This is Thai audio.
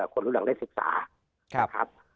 คนรุ่นหลังได้ศึกษานะครับ